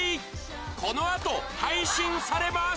この後配信されます！